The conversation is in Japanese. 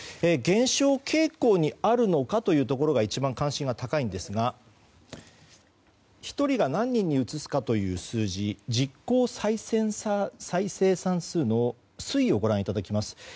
減少傾向にあるのかというところが一番関心が高いんですが１人が何人にうつすかという数字実効再生産数の推移をご覧いただきます。